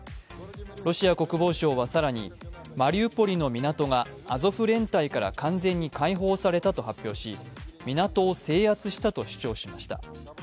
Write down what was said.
ロシア国防省は更に、マリウポリの港がアゾフ連隊から完全に解放されたと発表し、港を制圧したと主張しました。